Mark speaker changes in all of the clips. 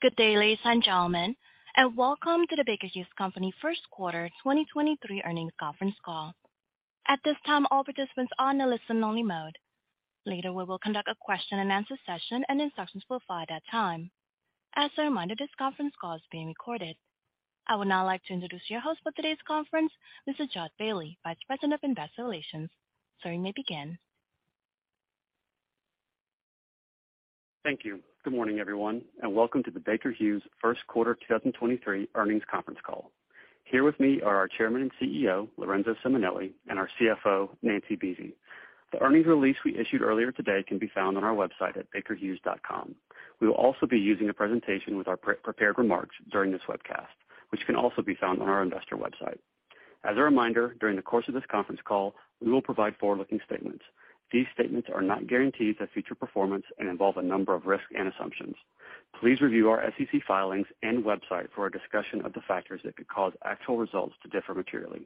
Speaker 1: Good day, ladies and gentlemen, welcome to the Baker Hughes Company First Quarter 2023 Earnings Conference Call. At this time, all participants are in a listen only mode. Later we will conduct a question-and-answer session and instructions will follow at that time. As a reminder, this conference call is being recorded. I would now like to introduce your host for today's conference, Mr. Jud Bailey, Vice President of Investor Relations. Sir, you may begin.
Speaker 2: Thank you. Good morning, everyone. Welcome to the Baker Hughes first quarter 2023 earnings conference call. Here with me are our Chairman and CEO, Lorenzo Simonelli, and our CFO, Nancy Buese. The earnings release we issued earlier today can be found on our website at bakerhughes.com. We will also be using a presentation with our pre-prepared remarks during this webcast, which can also be found on our investor website. As a reminder, during the course of this conference call, we will provide forward-looking statements. These statements are not guarantees of future performance and involve a number of risks and assumptions. Please review our SEC filings and website for a discussion of the factors that could cause actual results to differ materially.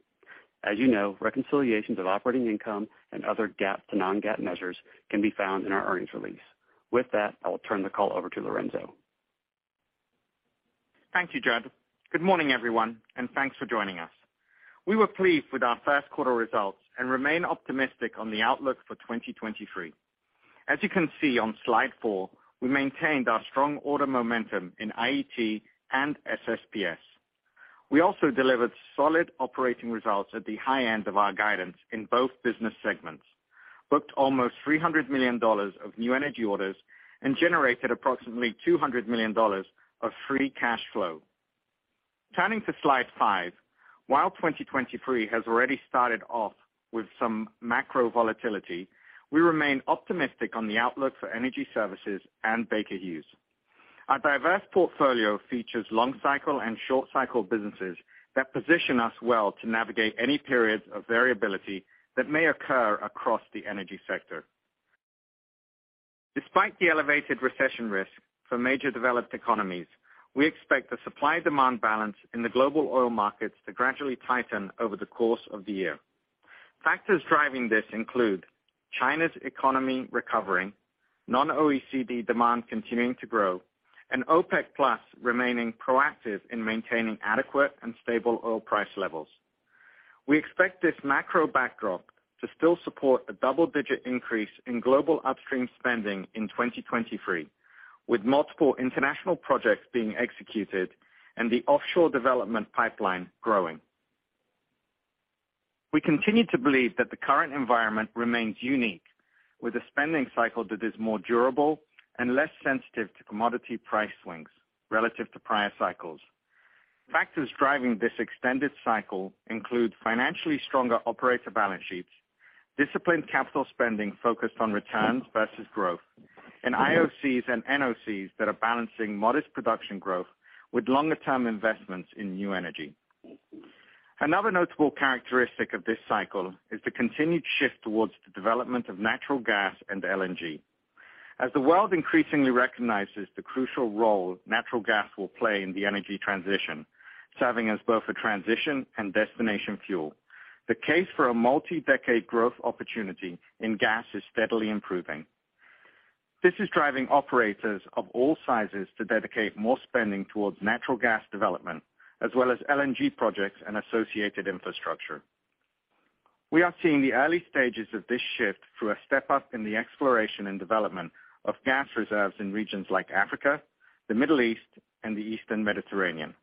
Speaker 2: As you know, reconciliations of operating income and other GAAP to non-GAAP measures can be found in our earnings release. With that, I will turn the call over to Lorenzo.
Speaker 3: Thank you, Jud. Good morning, everyone, and thanks for joining us. We were pleased with our first quarter results and remain optimistic on the outlook for 2023. As you can see on slide 4, we maintained our strong order momentum in IET and SSPS. We also delivered solid operating results at the high end of our guidance in both business segments, booked almost $300 million of new energy orders, and generated approximately $200 million of free cash flow. Turning to slide 5. While 2023 has already started off with some macro volatility, we remain optimistic on the outlook for energy services and Baker Hughes. Our diverse portfolio features long cycle and short cycle businesses that position us well to navigate any periods of variability that may occur across the energy sector. Despite the elevated recession risk for major developed economies, we expect the supply demand balance in the global oil markets to gradually tighten over the course of the year. Factors driving this include China's economy recovering, non-OECD demand continuing to grow, and OPEC+ remaining proactive in maintaining adequate and stable oil price levels. We expect this macro backdrop to still support a double-digit increase in global upstream spending in 2023, with multiple international projects being executed and the offshore development pipeline growing. We continue to believe that the current environment remains unique, with a spending cycle that is more durable and less sensitive to commodity price swings relative to prior cycles. Factors driving this extended cycle include financially stronger operator balance sheets, disciplined capital spending focused on returns versus growth, and IOCs and NOCs that are balancing modest production growth with longer term investments in new energy. Another notable characteristic of this cycle is the continued shift towards the development of natural gas and LNG. As the world increasingly recognizes the crucial role natural gas will play in the energy transition, serving as both a transition and destination fuel, the case for a multi-decade growth opportunity in gas is steadily improving. This is driving operators of all sizes to dedicate more spending towards natural gas development as well as LNG projects and associated infrastructure. We are seeing the early stages of this shift through a step up in the exploration and development of gas reserves in regions like Africa, the Middle East, and the Eastern Mediterranean.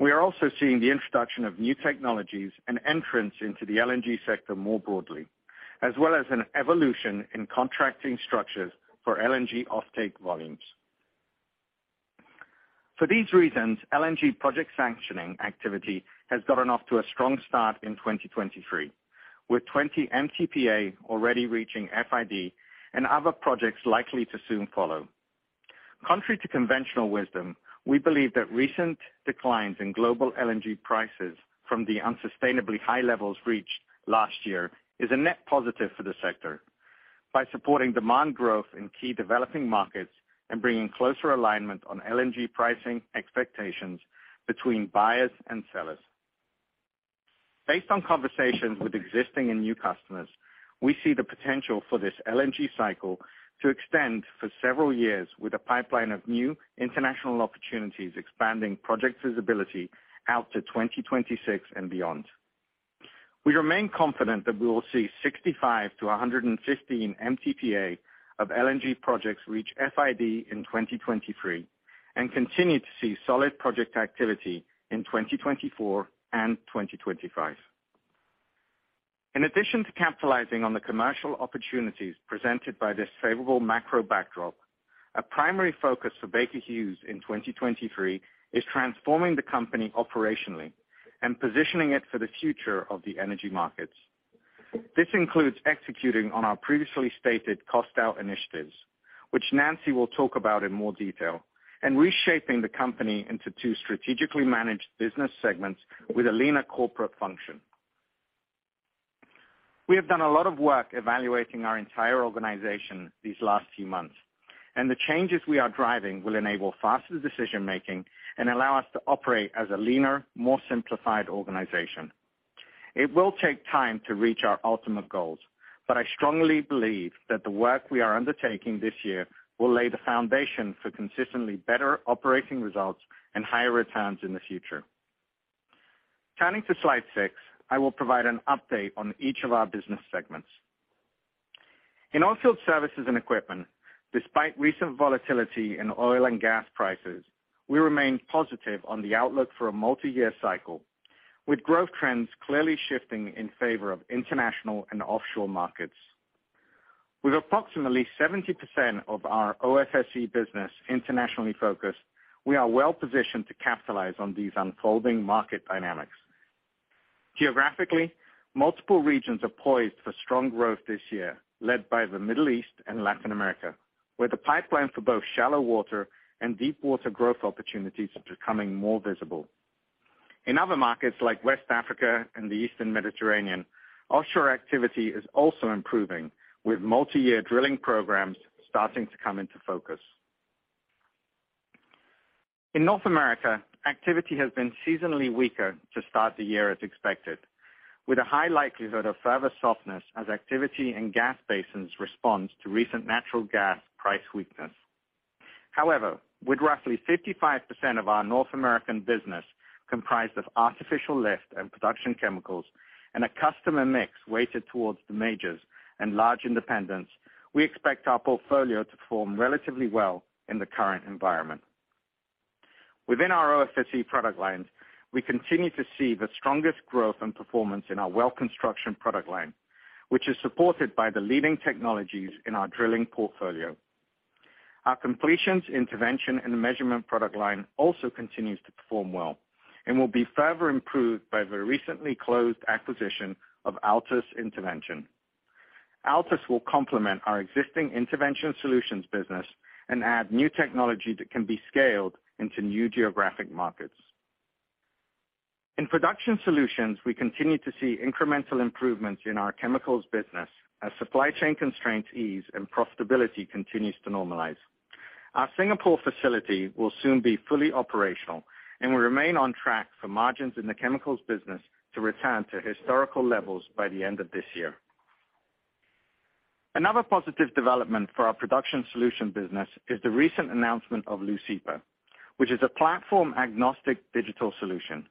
Speaker 3: We are also seeing the introduction of new technologies and entrants into the LNG sector more broadly, as well as an evolution in contracting structures for LNG offtake volumes. For these reasons, LNG project sanctioning activity has gotten off to a strong start in 2023, with 20 MTPA already reaching FID and other projects likely to soon follow. Contrary to conventional wisdom, we believe that recent declines in global LNG prices from the unsustainably high levels reached last year is a net positive for the sector by supporting demand growth in key developing markets and bringing closer alignment on LNG pricing expectations between buyers and sellers. Based on conversations with existing and new customers, we see the potential for this LNG cycle to extend for several years with a pipeline of new international opportunities expanding project visibility out to 2026 and beyond. We remain confident that we will see 65-115 MTPA of LNG projects reach FID in 2023 and continue to see solid project activity in 2024 and 2025. In addition to capitalizing on the commercial opportunities presented by this favorable macro backdrop, a primary focus for Baker Hughes in 2023 is transforming the company operationally and positioning it for the future of the energy markets. This includes executing on our previously stated cost out initiatives, which Nancy will talk about in more detail, and reshaping the company into two strategically managed business segments with a leaner corporate function. We have done a lot of work evaluating our entire organization these last few months, and the changes we are driving will enable faster decision making and allow us to operate as a leaner, more simplified organization. It will take time to reach our ultimate goals, but I strongly believe that the work we are undertaking this year will lay the foundation for consistently better operating results and higher returns in the future. Turning to slide 6, I will provide an update on each of our business segments. In Oilfield Services & Equipment, despite recent volatility in oil and gas prices, we remain positive on the outlook for a multi-year cycle, with growth trends clearly shifting in favor of international and offshore markets. With approximately 70% of our OFSE business internationally focused, we are well-positioned to capitalize on these unfolding market dynamics. Geographically, multiple regions are poised for strong growth this year, led by the Middle East and Latin America, where the pipeline for both shallow water and deep water growth opportunities are becoming more visible. In other markets like West Africa and the Eastern Mediterranean, offshore activity is also improving, with multi-year drilling programs starting to come into focus. In North America, activity has been seasonally weaker to start the year as expected, with a high likelihood of further softness as activity in gas basins responds to recent natural gas price weakness. With roughly 55% of our North American business comprised of artificial lift and production chemicals and a customer mix weighted towards the majors and large independents, we expect our portfolio to form relatively well in the current environment. Within our OFSE product lines, we continue to see the strongest growth and performance in our Well Construction product line, which is supported by the leading technologies in our drilling portfolio. Our Completions, Intervention & Measurements product line also continues to perform well and will be further improved by the recently closed acquisition of Altus Intervention. Altus will complement our existing Intervention Solutions business and add new technology that can be scaled into new geographic markets. In Production Solutions, we continue to see incremental improvements in our Chemicals business as supply chain constraints ease and profitability continues to normalize. We remain on track for margins in the Chemicals business to return to historical levels by the end of this year. Another positive development for our Production Solutions business is the recent announcement of Leucipa, which is a platform-agnostic digital solution.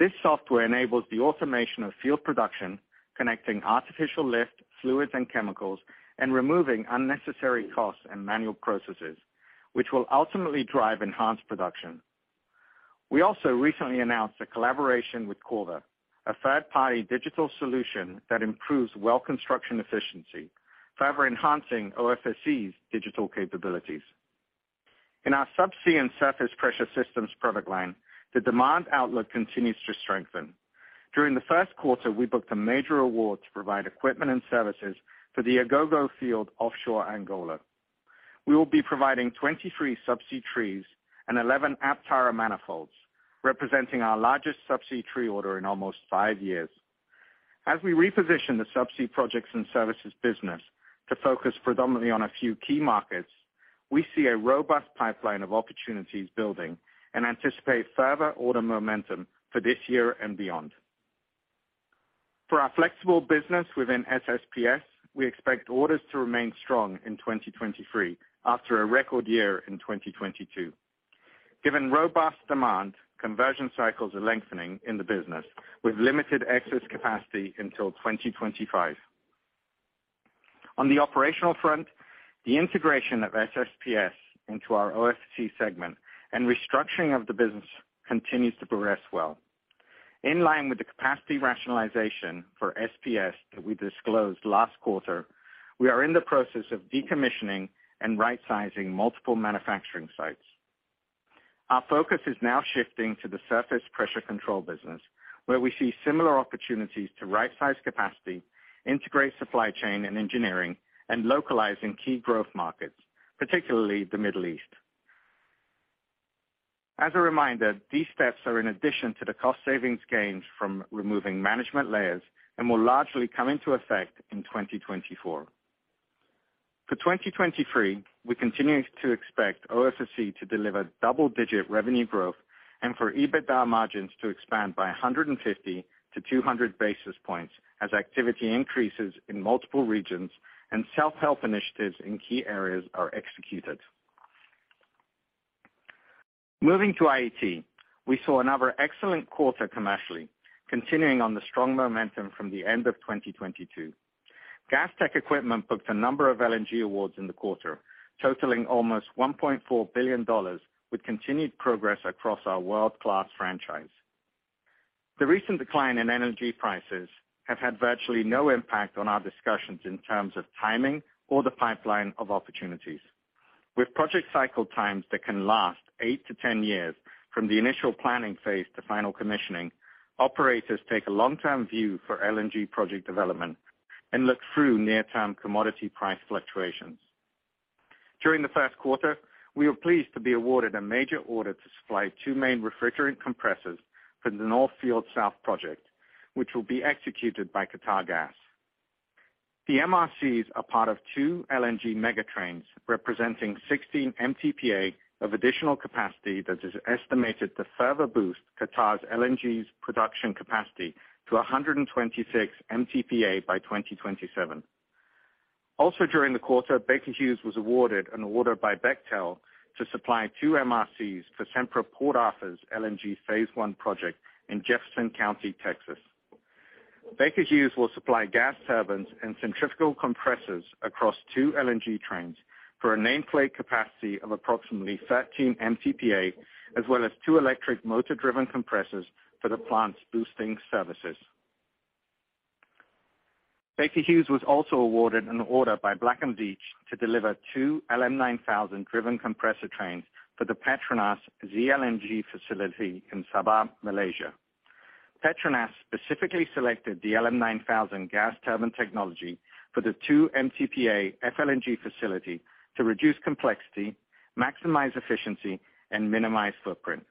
Speaker 3: This software enables the automation of field production, connecting artificial lift fluids and chemicals, and removing unnecessary costs and manual processes, which will ultimately drive enhanced production. We also recently announced a collaboration with Corva, a third-party digital solution that improves Well Construction efficiency, further enhancing OFSE's digital capabilities. In our Subsea and Surface Pressure Systems product line, the demand outlook continues to strengthen. During the first quarter, we booked a major award to provide equipment and services for the Agogo field offshore Angola. We will be providing 23 subsea trees and 11 Aptara manifolds, representing our largest subsea tree order in almost five years. As we reposition the Subsea Projects and Services business to focus predominantly on a few key markets, we see a robust pipeline of opportunities building and anticipate further order momentum for this year and beyond. For our flexible business within SSPS, we expect orders to remain strong in 2023 after a record year in 2022. Given robust demand, conversion cycles are lengthening in the business with limited excess capacity until 2025. On the operational front, the integration of SSPS into our OFSE segment and restructuring of the business continues to progress well. In line with the capacity rationalization for SPS that we disclosed last quarter, we are in the process of decommissioning and rightsizing multiple manufacturing sites. Our focus is now shifting to the Surface Pressure Control business, where we see similar opportunities to right-size capacity, integrate supply chain and engineering, and localize in key growth markets, particularly the Middle East. As a reminder, these steps are in addition to the cost savings gains from removing management layers and will largely come into effect in 2024. For 2023, we continue to expect OFSE to deliver double-digit revenue growth and for EBITDA margins to expand by 150-200 basis points as activity increases in multiple regions and self-help initiatives in key areas are executed. Moving to IET, we saw another excellent quarter commercially, continuing on the strong momentum from the end of 2022. Gas Tech Equipment booked a number of LNG awards in the quarter, totaling almost $1.4 billion, with continued progress across our world-class franchise. The recent decline in energy prices have had virtually no impact on our discussions in terms of timing or the pipeline of opportunities. With project cycle times that can last 8-10 years from the initial planning phase to final commissioning, operators take a long-term view for LNG project development and look through near-term commodity price fluctuations. During the first quarter, we were pleased to be awarded a major order to supply two main refrigerant compressors for the North Field South project, which will be executed by Qatargas. The MRCs are part of two LNG mega trains representing 16 MTPA of additional capacity that is estimated to further boost Qatar's LNG's production capacity to 126 MTPA by 2027. Also during the quarter, Baker Hughes was awarded an order by Bechtel to supply 2 MRCs for Sempra Port Arthur's LNG Phase 1 project in Jefferson County, Texas. Baker Hughes will supply gas turbines and centrifugal compressors across 2 LNG trains for a nameplate capacity of approximately 13 MTPA, as well as 2 electric motor-driven compressors for the plant's boosting services. Baker Hughes was also awarded an order by Black & Veatch to deliver 2 LM9000 driven compressor trains for the Petronas ZLNG facility in Sabah, Malaysia. Petronas specifically selected the LM9000 gas turbine technology for the 2 MTPA FLNG facility to reduce complexity, maximize efficiency, and minimize footprint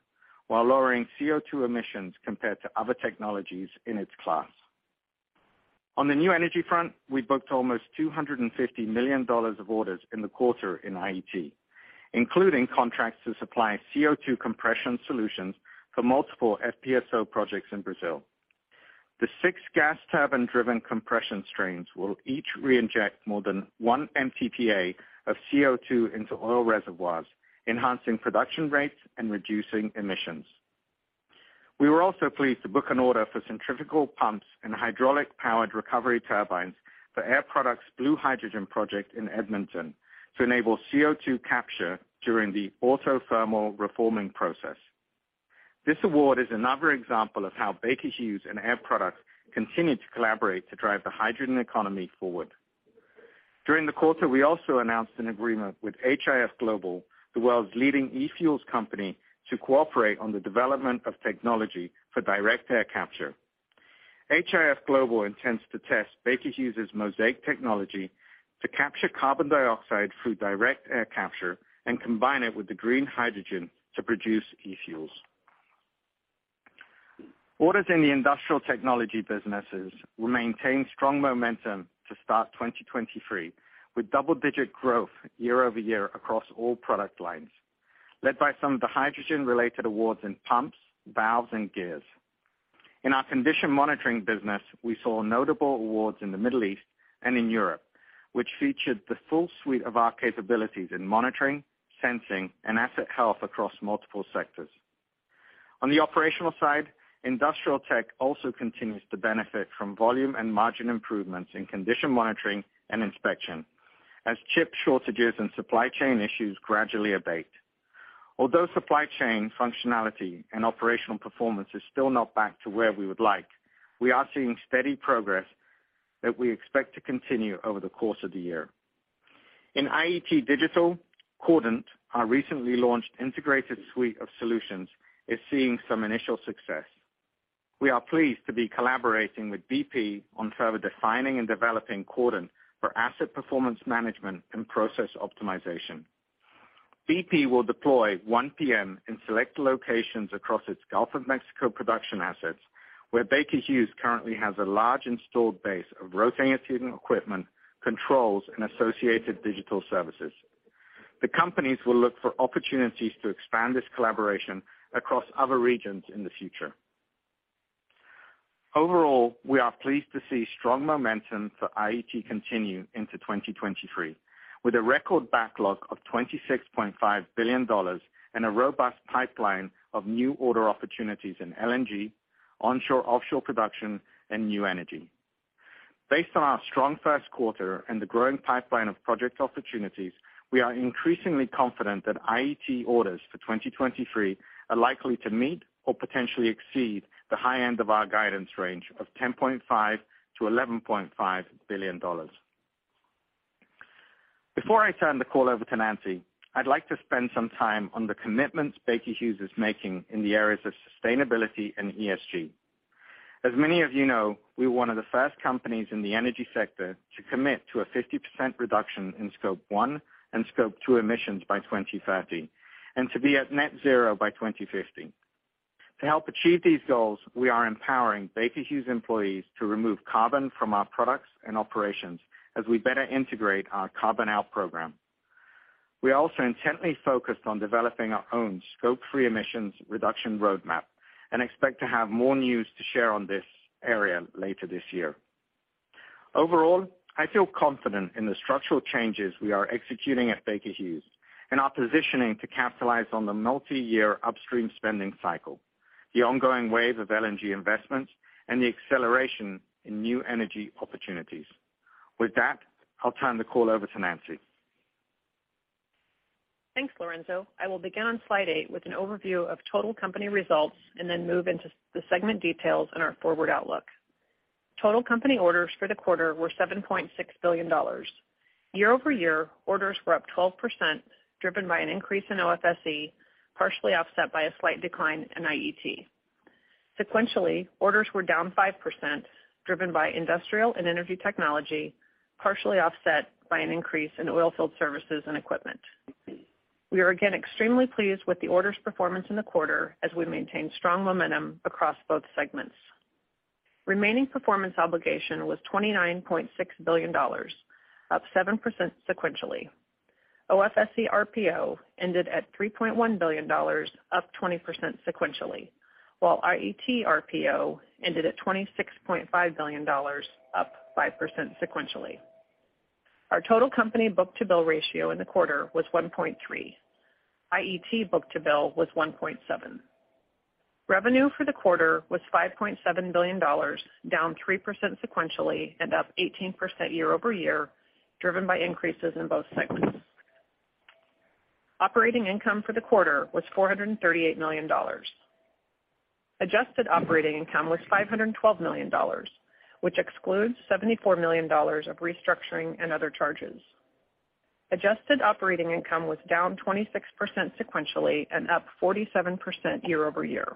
Speaker 3: while lowering CO2 emissions compared to other technologies in its class. On the new energy front, we booked almost $250 million of orders in the quarter in IET, including contracts to supply CO2 compression solutions for multiple FPSO projects in Brazil. The six gas turbine-driven compression trains will each reinject more than 1 MTPA of CO2 into oil reservoirs, enhancing production rates and reducing emissions. We were also pleased to book an order for centrifugal pumps and hydraulic-powered recovery turbines for Air Products' Blue Hydrogen project in Edmonton to enable CO2 capture during the autothermal reforming process. This award is another example of how Baker Hughes and Air Products continue to collaborate to drive the hydrogen economy forward. During the quarter, we also announced an agreement with HIF Global, the world's leading e-Fuels company, to cooperate on the development of technology for direct air capture. HIF Global intends to test Baker Hughes' Mosaic technology to capture carbon dioxide through direct air capture and combine it with the green hydrogen to produce e-Fuels. Orders in the Industrial Technology businesses will maintain strong momentum to start 2023, with double-digit growth year-over-year across all product lines, led by some of the hydrogen-related awards in pumps, valves, and gears. In our condition monitoring business, we saw notable awards in the Middle East and in Europe, which featured the full suite of our capabilities in monitoring, sensing, and asset health across multiple sectors. On the operational side, Industrial Tech also continues to benefit from volume and margin improvements in condition monitoring and inspection as chip shortages and supply chain issues gradually abate. Although supply chain functionality and operational performance is still not back to where we would like, we are seeing steady progress that we expect to continue over the course of the year. In IET Digital, Cordant, our recently launched integrated suite of solutions, is seeing some initial success. We are pleased to be collaborating with bp on further defining and developing Cordant for asset performance management and process optimization. bp will deploy OnePM in select locations across its Gulf of Mexico production assets, where Baker Hughes currently has a large installed base of rotating equipment, controls, and associated digital services. The companies will look for opportunities to expand this collaboration across other regions in the future. Overall, we are pleased to see strong momentum for IET continue into 2023, with a record backlog of $26.5 billion and a robust pipeline of new order opportunities in LNG, onshore-offshore production, and new energy. Based on our strong first quarter and the growing pipeline of project opportunities, we are increasingly confident that IET orders for 2023 are likely to meet or potentially exceed the high end of our guidance range of $10.5 billion-$11.5 billion. Before I turn the call over to Nancy, I'd like to spend some time on the commitments Baker Hughes is making in the areas of sustainability and ESG. As many of you know, we're one of the first companies in the energy sector to commit to a 50% reduction in Scope 1 and Scope 2 emissions by 2030, and to be at net zero by 2050. To help achieve these goals, we are empowering Baker Hughes employees to remove carbon from our products and operations as we better integrate our Carbon Out program. We are also intently focused on developing our own Scope 3 emissions reduction roadmap and expect to have more news to share on this area later this year. Overall, I feel confident in the structural changes we are executing at Baker Hughes and are positioning to capitalize on the multiyear upstream spending cycle, the ongoing wave of LNG investments, and the acceleration in new energy opportunities. With that, I'll turn the call over to Nancy.
Speaker 4: Thanks, Lorenzo. I will begin on slide 8 with an overview of total company results and then move into the segment details and our forward outlook. Total company orders for the quarter were $7.6 billion. Year-over-year, orders were up 12%, driven by an increase in OFSE, partially offset by a slight decline in IET. Sequentially, orders were down 5%, driven by Industrial and Energy Technology, partially offset by an increase in Oilfield Services & Equipment. We are again extremely pleased with the orders performance in the quarter as we maintain strong momentum across both segments. Remaining Performance Obligation was $29.6 billion, up 7% sequentially. OFSE RPO ended at $3.1 billion, up 20% sequentially, while IET RPO ended at $26.5 billion, up 5% sequentially. Our total company book-to-bill ratio in the quarter was 1.3. IET book-to-bill was 1.7. Revenue for the quarter was $5.7 billion, down 3% sequentially and up 18% year over year, driven by increases in both segments. Operating income for the quarter was $438 million. Adjusted operating income was $512 million, which excludes $74 million of restructuring and other charges. Adjusted operating income was down 26% sequentially and up 47% year over year.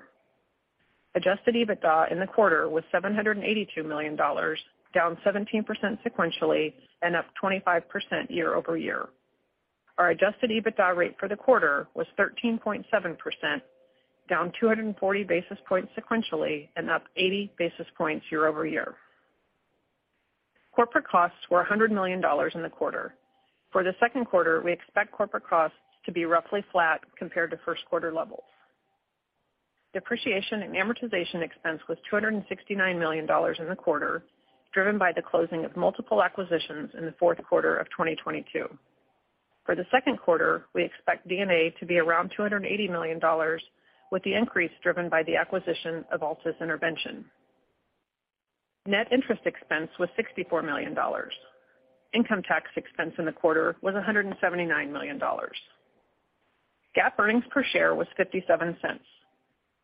Speaker 4: Adjusted EBITDA in the quarter was $782 million, down 17% sequentially and up 25% year over year. Our adjusted EBITDA rate for the quarter was 13.7%, down 240 basis points sequentially and up 80 basis points year over year. Corporate costs were $100 million in the quarter. For the second quarter, we expect corporate costs to be roughly flat compared to first quarter levels. Depreciation and amortization expense was $269 million in the quarter, driven by the closing of multiple acquisitions in the fourth quarter of 2022. For the second quarter, we expect D&A to be around $280 million, with the increase driven by the acquisition of Altus Intervention. Net interest expense was $64 million. Income tax expense in the quarter was $179 million. GAAP earnings per share was $0.57.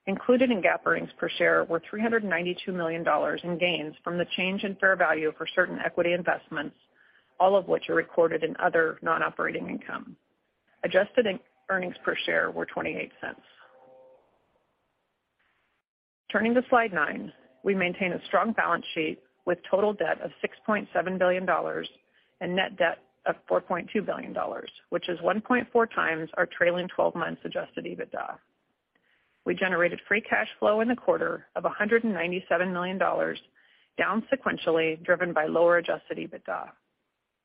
Speaker 4: Included in GAAP earnings per share were $392 million in gains from the change in fair value for certain equity investments, all of which are recorded in other non-operating income. Adjusted in-earnings per share were $0.28. Turning to Slide 9, we maintain a strong balance sheet with total debt of $6.7 billion and net debt of $4.2 billion, which is 1.4x our trailing 12 months adjusted EBITDA. We generated free cash flow in the quarter of $197 million, down sequentially, driven by lower adjusted EBITDA.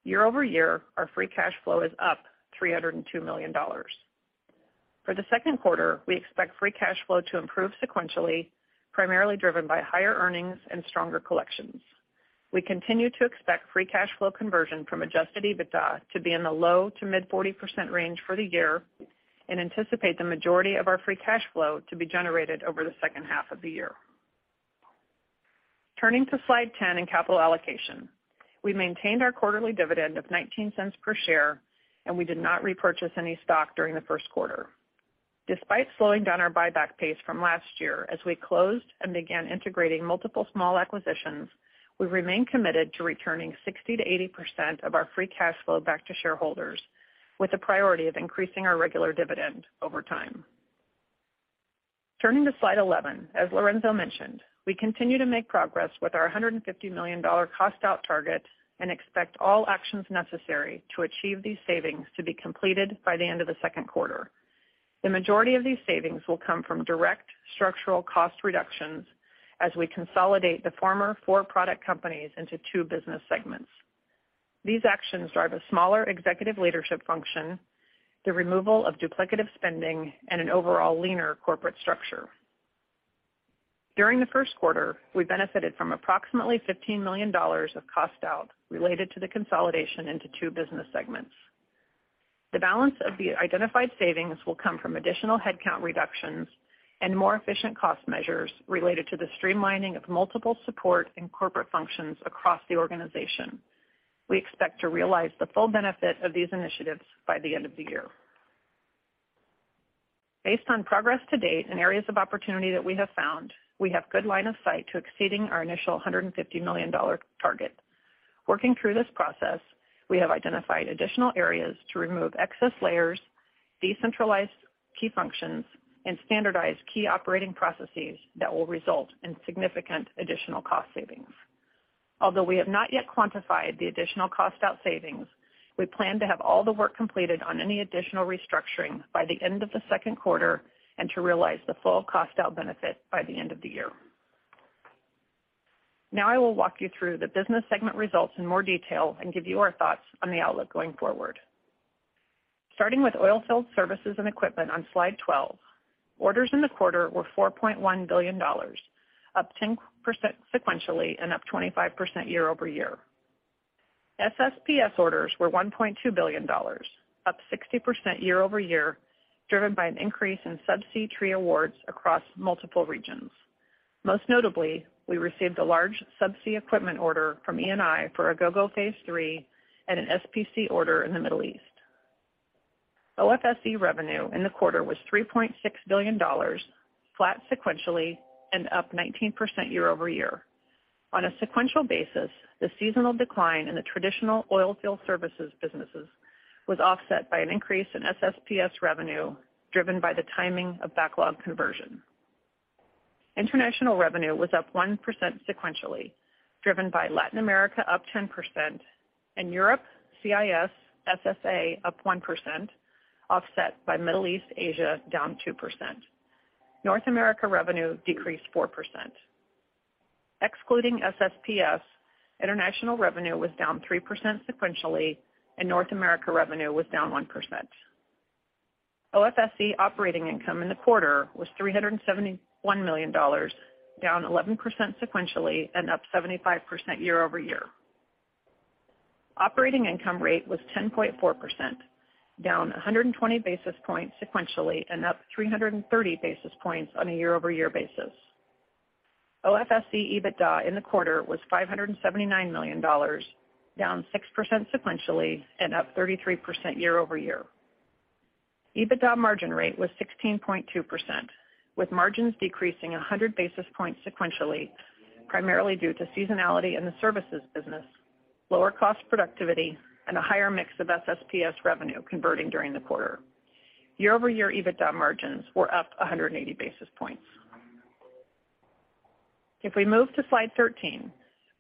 Speaker 4: Year-over-year, our free cash flow is up $302 million. For the second quarter, we expect free cash flow to improve sequentially, primarily driven by higher earnings and stronger collections. We continue to expect free cash flow conversion from adjusted EBITDA to be in the low to mid 40% range for the year and anticipate the majority of our free cash flow to be generated over the second half of the year. Turning to Slide 10 in capital allocation. We maintained our quarterly dividend of $0.19 per share, and we did not repurchase any stock during the first quarter. Despite slowing down our buyback pace from last year as we closed and began integrating multiple small acquisitions, we remain committed to returning 60%-80% of our free cash flow back to shareholders, with the priority of increasing our regular dividend over time. Turning to Slide 11, as Lorenzo mentioned, we continue to make progress with our $150 million cost out target and expect all actions necessary to achieve these savings to be completed by the end of the second quarter. The majority of these savings will come from direct structural cost reductions as we consolidate the former four product companies into two business segments. These actions drive a smaller executive leadership function, the removal of duplicative spending and an overall leaner corporate structure. During the first quarter, we benefited from approximately $15 million of cost out related to the consolidation into two business segments. The balance of the identified savings will come from additional headcount reductions and more efficient cost measures related to the streamlining of multiple support and corporate functions across the organization. We expect to realize the full benefit of these initiatives by the end of the year. Based on progress to date and areas of opportunity that we have found, we have good line of sight to exceeding our initial $150 million target. Working through this process, we have identified additional areas to remove excess layers, decentralize key functions, and standardize key operating processes that will result in significant additional cost savings. Although we have not yet quantified the additional cost out savings, we plan to have all the work completed on any additional restructuring by the end of the second quarter and to realize the full cost out benefit by the end of the year. I will walk you through the business segment results in more detail and give you our thoughts on the outlook going forward. Starting with Oilfield Services & Equipment on Slide 12, orders in the quarter were $4.1 billion, up 10% sequentially and up 25% year-over-year. SSPS orders were $1.2 billion, up 60% year-over-year, driven by an increase in subsea tree awards across multiple regions. Most notably, we received a large subsea equipment order from Eni for Agogo Phase 3 and an SPC order in the Middle East. OFSE revenue in the quarter was $3.6 billion, flat sequentially and up 19% year-over-year. On a sequential basis, the seasonal decline in the Traditional Oilfield Services businesses was offset by an increase in SSPS revenue driven by the timing of backlog conversion. International revenue was up 1% sequentially, driven by Latin America up 10% and Europe, CIS, SSA up 1%, offset by Middle East, Asia down 2%. North America revenue decreased 4%. Excluding SSPS, international revenue was down 3% sequentially, and North America revenue was down 1%. OFSE operating income in the quarter was $371 million, down 11% sequentially and up 75% year-over-year. Operating income rate was 10.4%, down 120 basis points sequentially and up 330 basis points on a year-over-year basis. OFSE EBITDA in the quarter was $579 million, down 6% sequentially and up 33% year-over-year. EBITDA margin rate was 16.2%, with margins decreasing 100 basis points sequentially, primarily due to seasonality in the Services business, lower cost productivity and a higher mix of SSPS revenue converting during the quarter. Year-over-year EBITDA margins were up 180 basis points. We move to slide 13,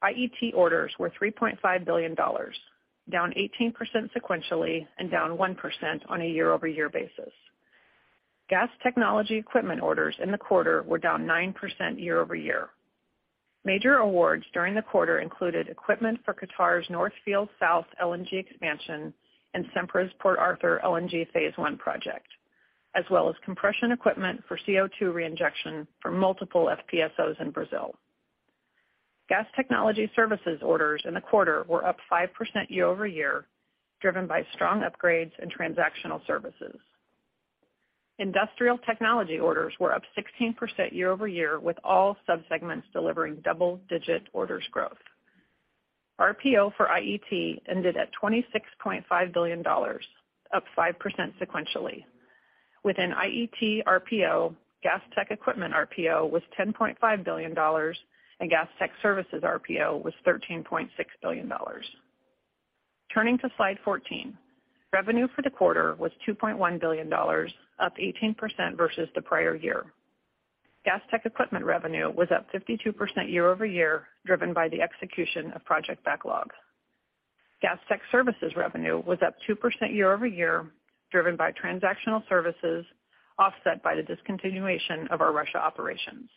Speaker 4: IET orders were $3.5 billion, down 18% sequentially and down 1% on a year-over-year basis. Gas Technology Equipment orders in the quarter were down 9% year-over-year. Major awards during the quarter included equipment for Qatar's North Field South LNG expansion and Sempra's Port Arthur LNG Phase 1 project, as well as compression equipment for CO2 reinjection for multiple FPSOs in Brazil. Gas Technology Services orders in the quarter were up 5% year-over-year, driven by strong upgrades and transactional services. Industrial Technology orders were up 16% year-over-year, with all sub-segments delivering double-digit orders growth. RPO for IET ended at $26.5 billion, up 5% sequentially. Within IET RPO, Gas Technology Equipment RPO was $10.5 billion and Gas Technology Services RPO was $13.6 billion. Turning to slide 14, revenue for the quarter was $2.1 billion, up 18% versus the prior year. Gas Technology Equipment revenue was up 52% year-over-year, driven by the execution of project backlog. Gas tech services revenue was up 2% year-over-year, driven by transactional services offset by the discontinuation of our Russia operations.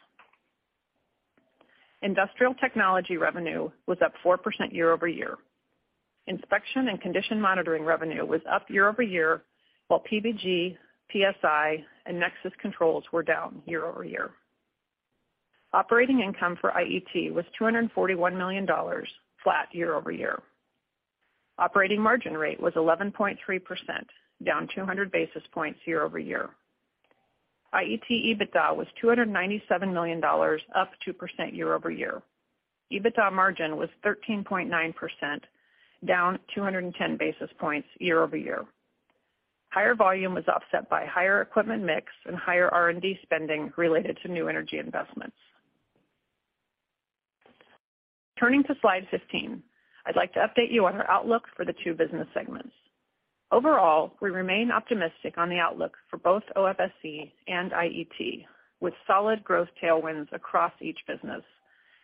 Speaker 4: Industrial Technology revenue was up 4% year-over-year. Inspection and condition monitoring revenue was up year-over-year, while PBG, PSI and Nexus Controls were down year-over-year. Operating income for IET was $241 million, flat year-over-year. Operating margin rate was 11.3%, down 200 basis points year-over-year. IET EBITDA was $297 million, up 2% year-over-year. EBITDA margin was 13.9%, down 210 basis points year-over-year. Higher volume was offset by higher equipment mix and higher R&D spending related to new energy investments. Turning to slide 15, I'd like to update you on our outlook for the two business segments. Overall, we remain optimistic on the outlook for both OFSE and IET, with solid growth tailwinds across each business,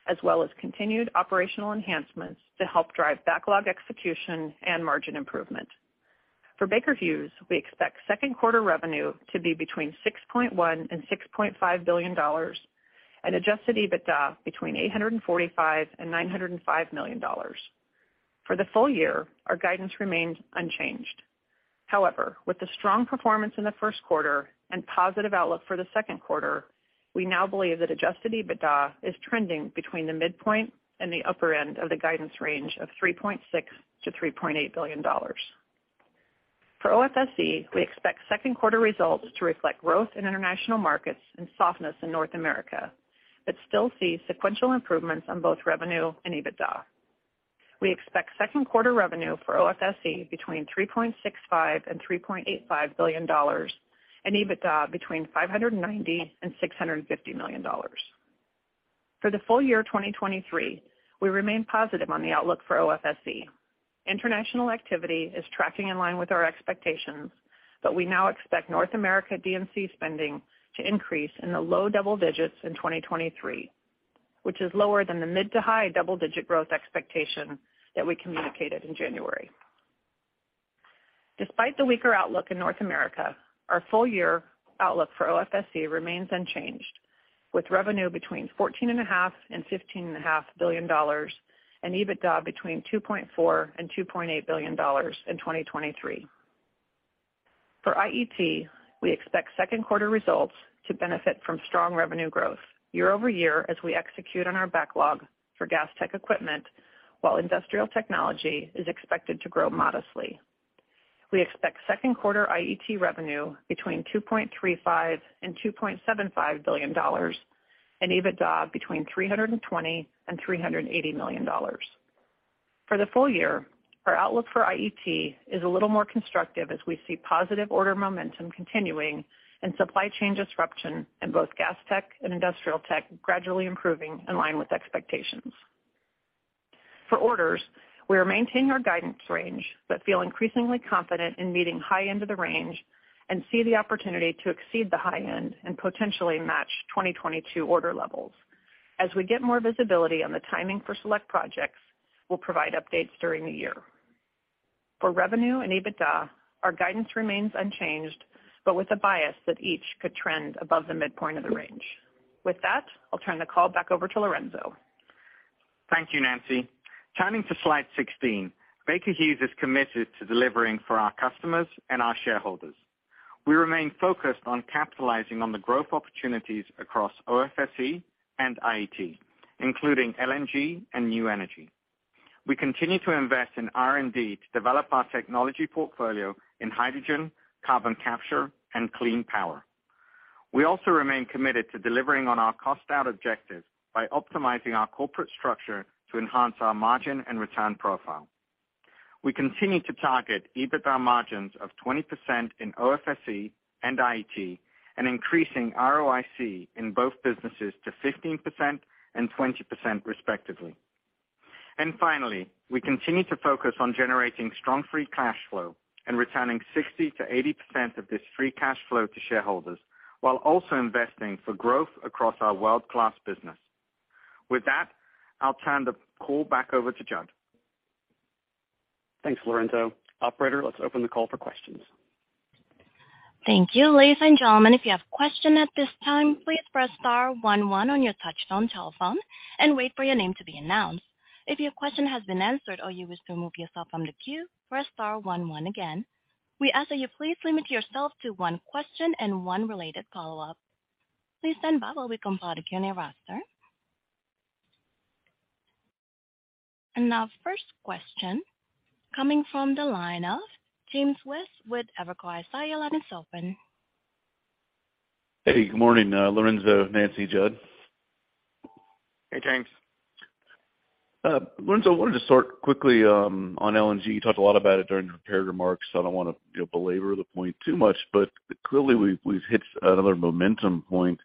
Speaker 4: as well as continued operational enhancements to help drive backlog execution and margin improvement. For Baker Hughes, we expect second quarter revenue to be between $6.1 billion and $6.5 billion and adjusted EBITDA between $845 million and $905 million. For the full year, our guidance remains unchanged. With the strong performance in the first quarter and positive outlook for the second quarter, we now believe that adjusted EBITDA is trending between the midpoint and the upper end of the guidance range of $3.6 billion-$3.8 billion. For OFSE, we expect second quarter results to reflect growth in international markets and softness in North America, but still see sequential improvements on both revenue and EBITDA. We expect second quarter revenue for OFSE between $3.65 billion and $3.85 billion and EBITDA between $590 million and $650 million. For the full year 2023, we remain positive on the outlook for OFSE. International activity is tracking in line with our expectations, but we now expect North America D&C spending to increase in the low double digits in 2023, which is lower than the mid to high double-digit growth expectation that we communicated in January. Despite the weaker outlook in North America, our full year outlook for OFSE remains unchanged, with revenue between $14.5 billion and $ 15.5 billion and EBITDA between $2.4 billion and $2.8 billion in 2023. IET, we expect second quarter results to benefit from strong revenue growth year-over-year as we execute on our backlog for Gas Technology Equipment, while Industrial Technology is expected to grow modestly. We expect second quarter IET revenue between $2.35 billion and $2.75 billion and EBITDA between $320 million and $380 million. For the full year, our outlook for IET is a little more constructive as we see positive order momentum continuing and supply chain disruption in both Gas Tech and Industrial Tech gradually improving in line with expectations. For orders, we are maintaining our guidance range, but feel increasingly confident in meeting high end of the range and see the opportunity to exceed the high end and potentially match 2022 order levels. As we get more visibility on the timing for select projects, we'll provide updates during the year. For revenue and EBITDA, our guidance remains unchanged, but with a bias that each could trend above the midpoint of the range. With that, I'll turn the call back over to Lorenzo.
Speaker 3: Thank you, Nancy. Turning to slide 16. Baker Hughes is committed to delivering for our customers and our shareholders. We remain focused on capitalizing on the growth opportunities across OFSE and IET, including LNG and new energy. We continue to invest in R&D to develop our technology portfolio in hydrogen, carbon capture and clean power. We also remain committed to delivering on our cost out objectives by optimizing our corporate structure to enhance our margin and return profile. We continue to target EBITDA margins of 20% in OFSE and IET and increasing ROIC in both businesses to 15% and 20% respectively. Finally, we continue to focus on generating strong free cash flow and returning 60%-80% of this free cash flow to shareholders while also investing for growth across our world-class business. With that, I'll turn the call back over to Jud.
Speaker 2: Thanks, Lorenzo. Operator, let's open the call for questions.
Speaker 1: Thank you. Ladies and gentlemen, if you have question at this time, please press star 11 on your touch-tone telephone and wait for your name to be announced. If your question has been answered or you wish to remove yourself from the queue, press star 11 again. We ask that you please limit yourself to one question and one related follow-up. Please stand by while we compile the queue in roster. Our first question coming from the line of James West with Evercore ISI, your line is open.
Speaker 5: Hey, good morning, Lorenzo, Nancy, Jud.
Speaker 3: Hey, James.
Speaker 5: Lorenzo, I wanted to start quickly on LNG. You talked a lot about it during your prepared remarks. I don't wanna, you know, belabor the point too much, but clearly we've hit another momentum point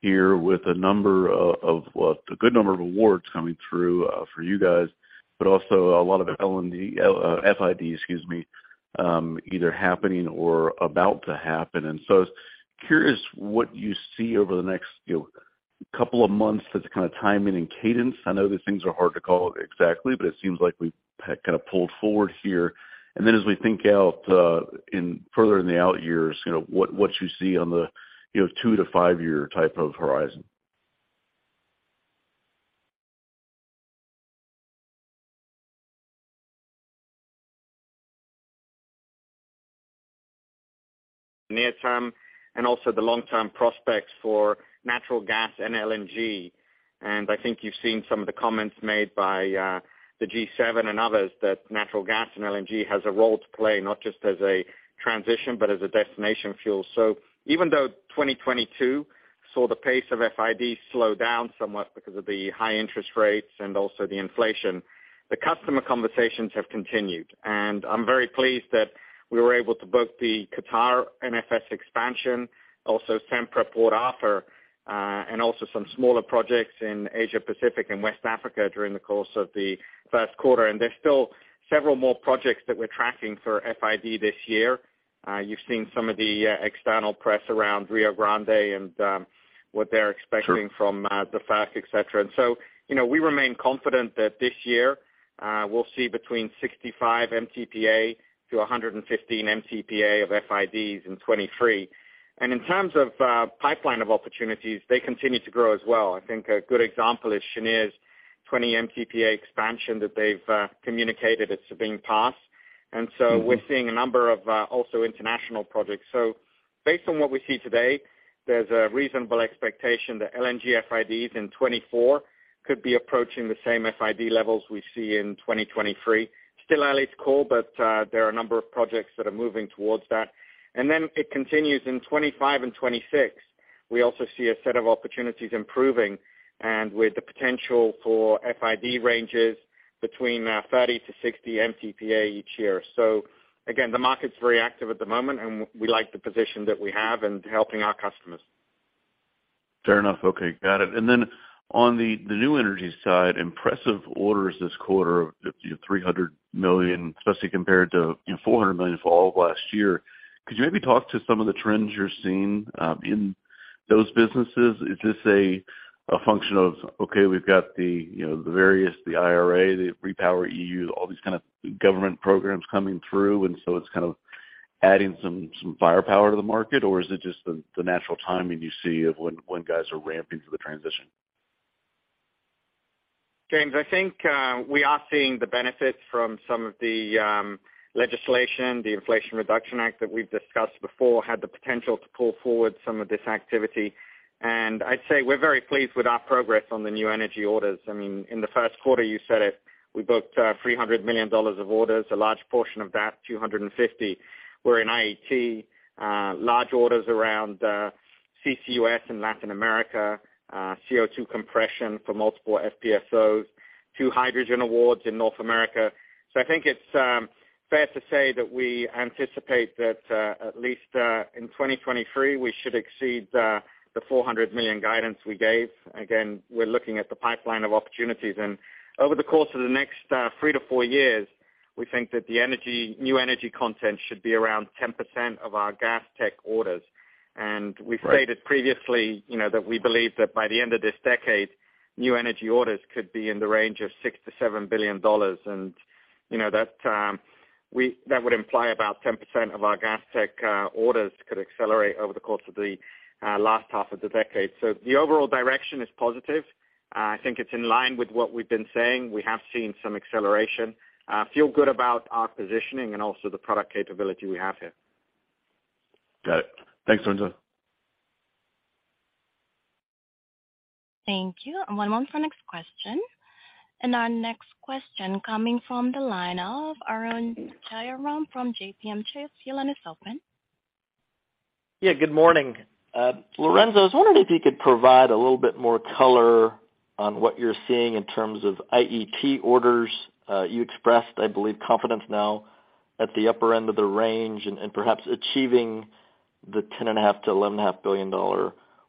Speaker 5: here with a number of a good number of awards coming through for you guys, but also a lot of LNG FIDs, excuse me, either happening or about to happen. I was curious what you see over the next, you know, couple of months as to kind of timing and cadence. I know these things are hard to call exactly, but it seems like we've kind of pulled forward here. As we think out in further in the out years, you know, what you see on the, you know, 2-5 year type of horizon.
Speaker 3: Near term also the long-term prospects for natural gas and LNG. I think you've seen some of the comments made by the G7 and others that natural gas and LNG has a role to play, not just as a transition, but as a destination fuel. Even though 2022 saw the pace of FID slow down somewhat because of the high interest rates and also the inflation, the customer conversations have continued. I'm very pleased that we were able to book the Qatargas NFS expansion, also Sempra Port Arthur, and also some smaller projects in Asia Pacific and West Africa during the course of the first quarter. There's still several more projects that we're tracking for FID this year. You've seen some of the external press around Rio Grande LNG and what they're expecting.
Speaker 5: Sure.
Speaker 3: from the facts, et cetera. you know, we remain confident that this year, we'll see between 65 MTPA to 115 MTPA of FIDs in 2023. In terms of pipeline of opportunities, they continue to grow as well. I think a good example is Cheniere's 20 MTPA expansion that they've communicated at Sabine Pass. We're seeing a number of also international projects. So based on what we see today, there's a reasonable expectation that LNG FIDs in 2024 could be approaching the same FID levels we see in 2023. Still early to call, but there are a number of projects that are moving towards that. It continues in 2025 and 2026. We also see a set of opportunities improving and with the potential for FID ranges between 30-60 MTPA each year. Again, the market's very active at the moment, and we like the position that we have in helping our customers.
Speaker 5: Fair enough. Okay, got it. On the new energy side, impressive orders this quarter of $300 million, especially compared to $400 million for all of last year. Could you maybe talk to some of the trends you're seeing in those businesses? Is this a function of, okay, we've got the, you know, the various, the IRA, the REPowerEU, all these kind of government programs coming through, and so it's kind of adding some firepower to the market, or is it just the natural timing you see of when guys are ramping to the transition?
Speaker 3: James, I think we are seeing the benefits from some of the legislation. The Inflation Reduction Act that we've discussed before had the potential to pull forward some of this activity. I'd say we're very pleased with our progress on the new energy orders. I mean, in the first quarter, you said it, we booked $300 million of orders, a large portion of that, $250 million, were in IET. Large orders around CCUS in Latin America, CO2 compression for multiple FPSOs, 2 hydrogen awards in North America. I think it's fair to say that we anticipate that at least in 2023, we should exceed the $400 million guidance we gave. Again, we're looking at the pipeline of opportunities. Over the course of the next 3 to 4 years, we think that the energy, new energy content should be around 10% of our Gas Tech orders. We've stated previously, you know, that we believe that by the end of this decade, new energy orders could be in the range of $6 billion-$7 billion. You know, that would imply about 10% of our Gas Tech orders could accelerate over the course of the last half of the decade. The overall direction is positive. I think it's in line with what we've been saying. We have seen some acceleration. Feel good about our positioning and also the product capability we have here.
Speaker 5: Got it. Thanks, Lorenzo.
Speaker 1: Thank you. One moment for next question. Our next question coming from the line of Arun Jayaram from JPMorgan Chase. Your line is open.
Speaker 6: Good morning. Lorenzo, I was wondering if you could provide a little bit more color on what you're seeing in terms of IET orders. You expressed, I believe, confidence now at the upper end of the range and perhaps achieving the $10.5 billion-$11.5 billion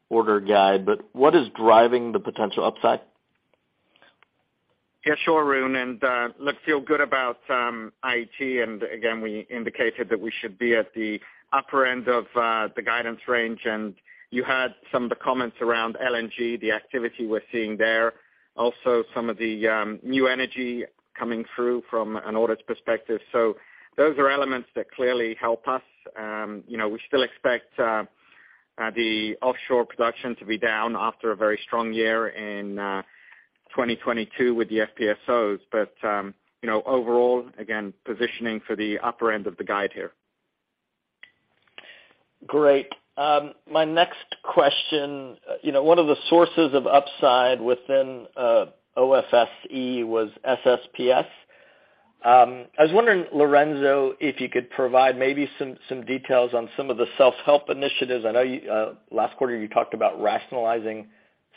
Speaker 6: order guide. What is driving the potential upside?
Speaker 3: Yeah, sure, Arun. Look, feel good about IET, and again, we indicated that we should be at the upper end of the guidance range. You had some of the comments around LNG, the activity we're seeing there. Also some of the new energy coming through from an orders perspective. Those are elements that clearly help us. You know, we still expect the offshore production to be down after a very strong year in 2022 with the FPSOs. You know, overall, again, positioning for the upper end of the guide here.
Speaker 6: Great. My next question, you know, one of the sources of upside within OFSE was SSPS. I was wondering, Lorenzo, if you could provide maybe some details on some of the self-help initiatives. I know you, last quarter you talked about rationalizing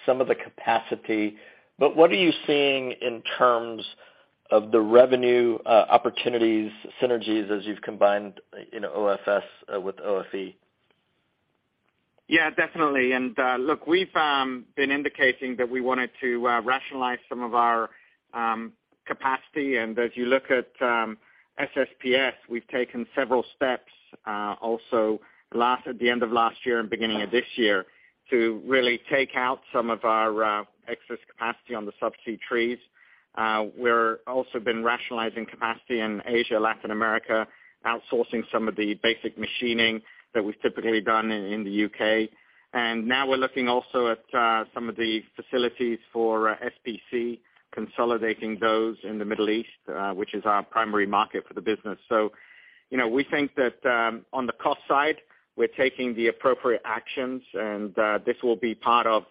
Speaker 6: some of the capacity, but what are you seeing in terms of the revenue, opportunities, synergies as you've combined, you know, OFS with OFE?
Speaker 3: Yeah, definitely. Look, we've been indicating that we wanted to rationalize some of our capacity. As you look at SSPS, we've taken several steps at the end of last year and beginning of this year to really take out some of our excess capacity on the subsea trees. We're also been rationalizing capacity in Asia, Latin America, outsourcing some of the basic machining that we've typically done in the UK. Now we're looking also at some of the facilities for SPC, consolidating those in the Middle East, which is our primary market for the business. You know, we think that on the cost side, we're taking the appropriate actions, and this will be part of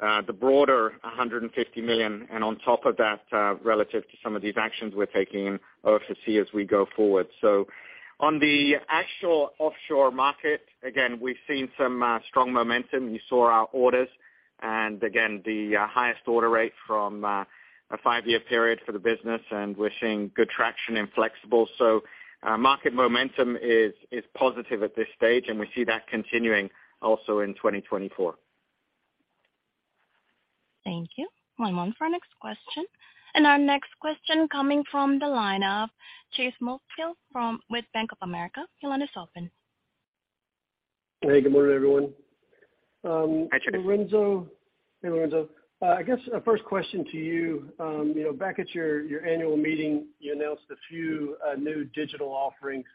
Speaker 3: the broader $150 million. On top of that, relative to some of these actions we're taking in OFSE as we go forward. On the actual offshore market, again, we've seen some strong momentum. You saw our orders and, again, the highest order rate from a five-year period for the business, and we're seeing good traction in flexible. Market momentum is positive at this stage, and we see that continuing also in 2024.
Speaker 1: Thank you. One moment for our next question. Our next question coming from the line of Chase Mulvehill with Bank of America. Your line is open.
Speaker 7: Hey, good morning, everyone.
Speaker 3: Hi, Chase.
Speaker 7: Lorenzo. Hey, Lorenzo. I guess, first question to you. You know, back at your annual meeting, you announced a few new digital offerings,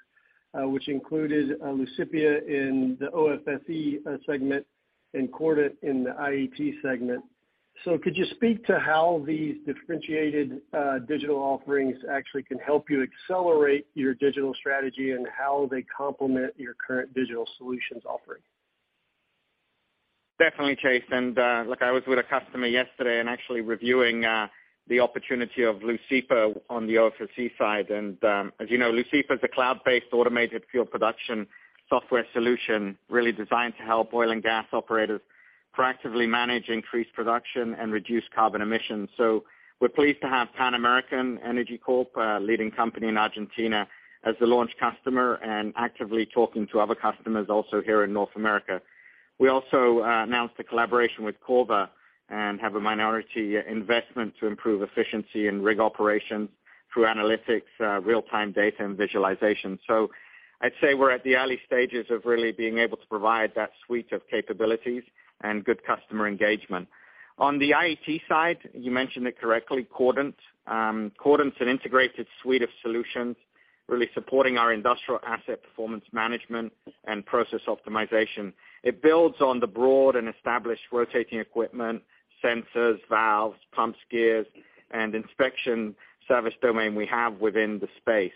Speaker 7: which included Leucipa in the OFSE segment and Cordant in the IET segment. Could you speak to how these differentiated digital offerings actually can help you accelerate your digital strategy and how they complement your current digital solutions offering?
Speaker 3: Definitely, Chase. Look, I was with a customer yesterday and actually reviewing the opportunity of Leucipa on the OFSE side. As you know, Leucipa is a cloud-based automated field production software solution really designed to help oil and gas operators proactively manage increased production and reduce carbon emissions. We're pleased to have Pan American Energy Corp, a leading company in Argentina, as the launch customer and actively talking to other customers also here in North America. We also announced a collaboration with Corva and have a minority investment to improve efficiency in rig operations through analytics, real-time data and visualization. I'd say we're at the early stages of really being able to provide that suite of capabilities and good customer engagement. On the IET side, you mentioned it correctly, Cordant. Cordant is an integrated suite of solutions really supporting our industrial asset performance management and process optimization. It builds on the broad and established rotating equipment, sensors, valves, pumps, gears, and inspection service domain we have within the space.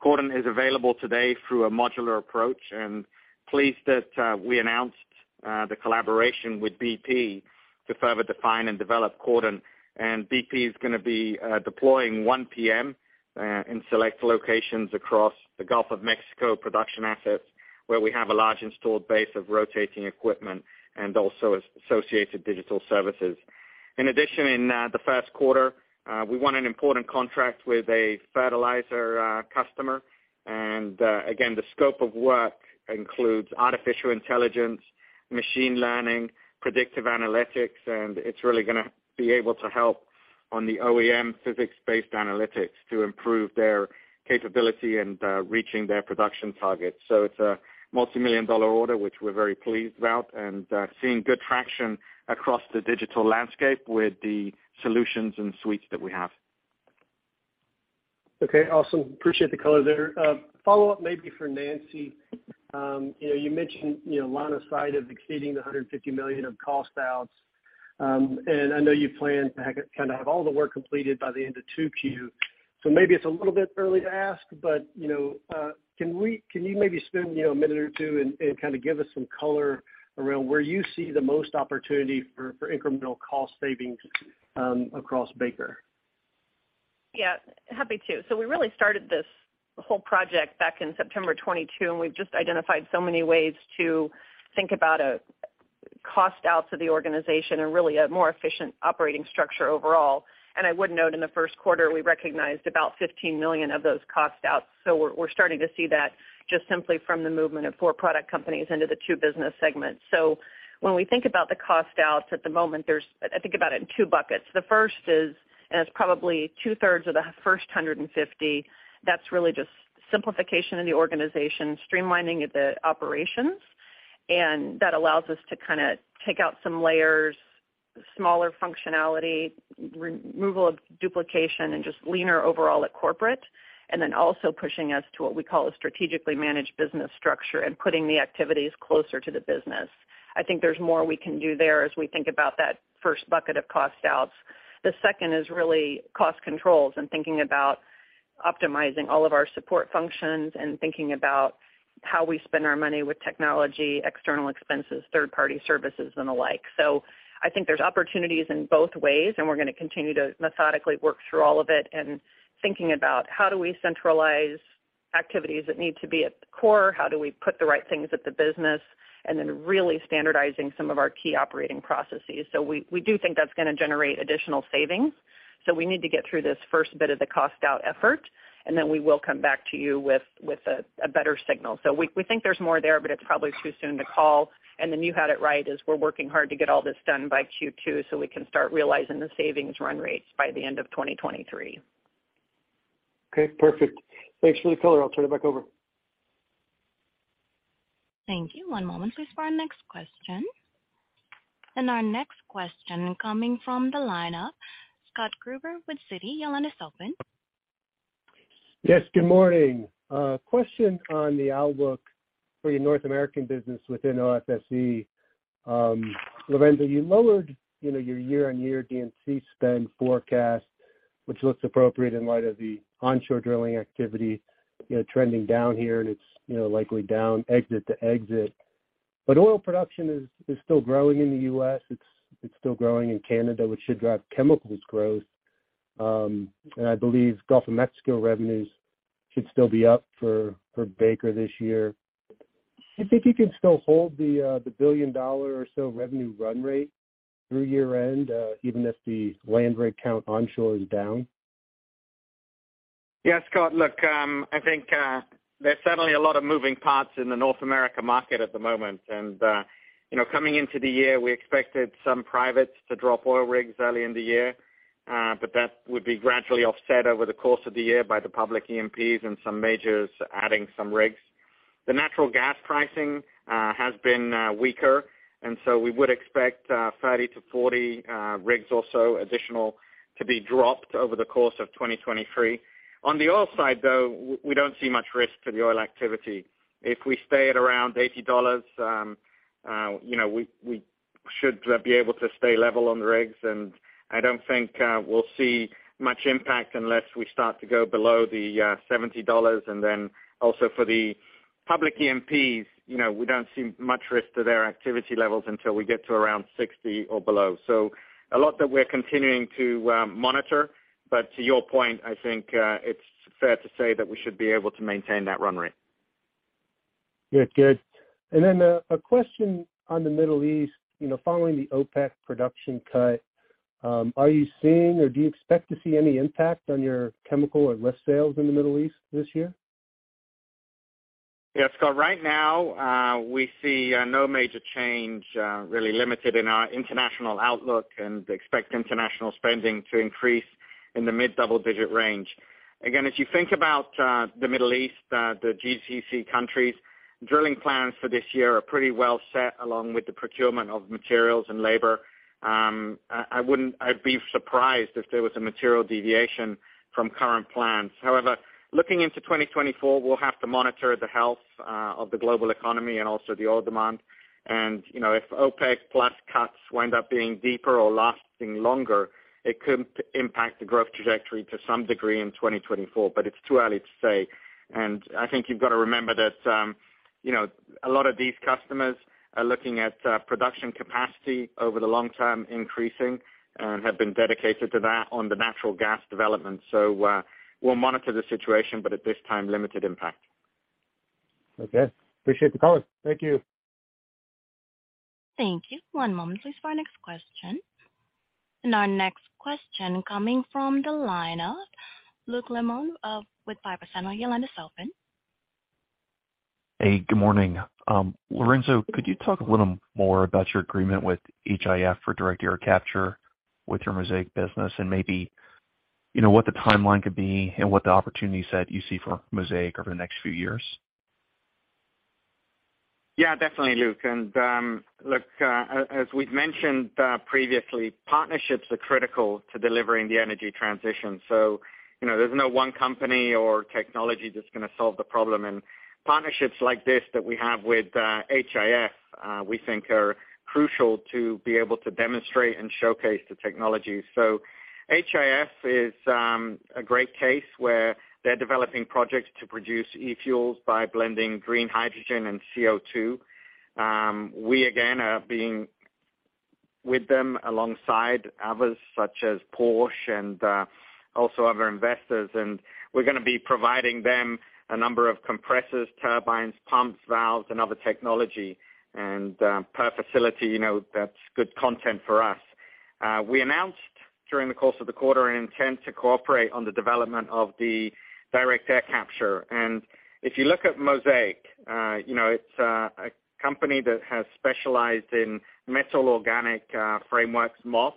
Speaker 3: Cordant is available today through a modular approach, and pleased that we announced the collaboration with bp to further define and develop Cordant. bp is gonna be deploying OnePM in select locations across the Gulf of Mexico production assets. Where we have a large installed base of rotating equipment and also associated digital services. In addition, in the first quarter, we won an important contract with a fertilizer customer. Again, the scope of work includes artificial intelligence, machine learning, predictive analytics, and it's really gonna be able to help on the OEM physics-based analytics to improve their capability and reaching their production targets. It's a multimillion-dollar order, which we're very pleased about, and seeing good traction across the digital landscape with the solutions and suites that we have.
Speaker 7: Okay. Awesome. Appreciate the color there. Follow-up maybe for Nancy. You know, you mentioned, you know, line of sight of exceeding the $150 million of cost outs. I know you plan to have all the work completed by the end of 2Q. Maybe it's a little bit early to ask, but, you know, can you maybe spend, you know, a minute or two and kinda give us some color around where you see the most opportunity for incremental cost savings, across Baker?
Speaker 4: Yeah, happy to. We really started this whole project back in September 2022, we've just identified so many ways to think about a cost out to the organization and really a more efficient operating structure overall. I would note in the first quarter, we recognized about $15 million of those cost outs. We're starting to see that just simply from the movement of four product companies into the two business segments. When we think about the cost outs at the moment, I think about it in two buckets. The first is, it's probably two-thirds of the first 150, that's really just simplification of the organization, streamlining of the operations. That allows us to kinda take out some layers, smaller functionality, removal of duplication and just leaner overall at corporate. Also pushing us to what we call a strategically managed business structure and putting the activities closer to the business. I think there's more we can do there as we think about that first bucket of cost outs. The second is really cost controls and thinking about optimizing all of our support functions and thinking about how we spend our money with technology, external expenses, third-party services and the like. I think there's opportunities in both ways, and we're gonna continue to methodically work through all of it and thinking about how do we centralize activities that need to be at the core, how do we put the right things at the business, and then really standardizing some of our key operating processes. We do think that's gonna generate additional savings. We need to get through this first bit of the cost out effort, and then we will come back to you with a better signal. We think there's more there, but it's probably too soon to call. You had it right, is we're working hard to get all this done by Q2 so we can start realizing the savings run rates by the end of 2023.
Speaker 7: Okay, perfect. Thanks for the color. I'll turn it back over.
Speaker 1: Thank you. One moment please for our next question. Our next question coming from the line of Scott Gruber with Citi. Your line is open.
Speaker 8: Yes, good morning. A question on the outlook for your North American business within OFSE. Lorenzo, you lowered, you know, your year-on-year D&C spend forecast, which looks appropriate in light of the onshore drilling activity, you know, trending down here and it's, you know, likely down exit to exit. Oil production is still growing in the U.S., it's still growing in Canada, which should drive chemicals growth. I believe Gulf of Mexico revenues should still be up for Baker this year. Do you think you can still hold the $1 billion or so revenue run rate through year-end, even if the land rig count onshore is down?
Speaker 3: Scott, look, I think there's certainly a lot of moving parts in the North America market at the moment, you know, coming into the year, we expected some privates to drop oil rigs early in the year, but that would be gradually offset over the course of the year by the public E&Ps and some majors adding some rigs. The natural gas pricing has been weaker, so we would expect 30 to 40 rigs or so additional to be dropped over the course of 2023. On the oil side, though, we don't see much risk to the oil activity. If we stay at around $80, you know, we should be able to stay level on the rigs, I don't think we'll see much impact unless we start to go below the $70. Also for the public E&Ps, you know, we don't see much risk to their activity levels until we get to around $60 or below. A lot that we're continuing to monitor, but to your point, I think it's fair to say that we should be able to maintain that run rate.
Speaker 8: Yeah. Good. A question on the Middle East. You know, following the OPEC production cut, are you seeing or do you expect to see any impact on your chemical or less sales in the Middle East this year?
Speaker 3: Yeah, Scott, right now, we see no major change, really limited in our international outlook and expect international spending to increase in the mid-double digit range. As you think about the Middle East, the GCC countries, drilling plans for this year are pretty well set along with the procurement of materials and labor. I'd be surprised if there was a material deviation from current plans. However, looking into 2024, we'll have to monitor the health of the global economy and also the oil demand. You know, if OPEC+ cuts wind up being deeper or lasting longer, it could impact the growth trajectory to some degree in 2024, but it's too early to say. I think you've got to remember that, you know, a lot of these customers are looking at production capacity over the long term increasing and have been dedicated to that on the natural gas development. We'll monitor the situation, but at this time, limited impact.
Speaker 8: Okay. Appreciate the color. Thank you.
Speaker 1: Thank you. One moment please for our next question. Our next question coming from the line of Luke Lemoine with Piper Sandler. Your line is open.
Speaker 9: Hey, good morning. Lorenzo, could you talk a little more about your agreement with HIF for direct air capture with your Mosaic business and maybe, you know, what the timeline could be and what the opportunity set you see for Mosaic over the next few years?
Speaker 3: Yeah, definitely, Luke. Look, as we've mentioned previously, partnerships are critical to delivering the energy transition. You know, there's no one company or technology that's gonna solve the problem. Partnerships like this that we have with HIF, we think are crucial to be able to demonstrate and showcase the technology. HIF is a great case where they're developing projects to produce e-Fuels by blending green hydrogen and CO2. We again are being with them alongside others such as Porsche and also other investors. We're gonna be providing them a number of compressors, turbines, pumps, valves, and other technology. Per facility, you know, that's good content for us. We announced during the course of the quarter an intent to cooperate on the development of the direct air capture. If you look at Mosaic, you know, it's a company that has specialized in metal-organic frameworks, MOF,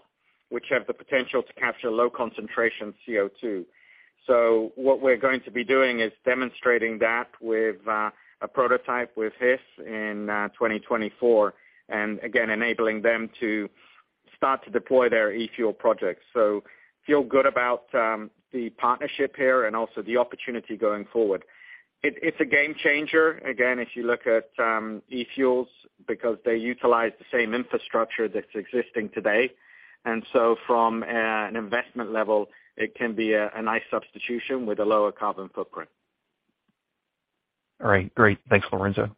Speaker 3: which have the potential to capture low concentration CO2. What we're going to be doing is demonstrating that with a prototype with this in 2024, and again, enabling them to start to deploy their e-Fuel projects. Feel good about the partnership here and also the opportunity going forward. It, it's a game changer, again, if you look at e-Fuels because they utilize the same infrastructure that's existing today. From an investment level, it can be a nice substitution with a lower carbon footprint.
Speaker 9: All right. Great. Thanks, Lorenzo.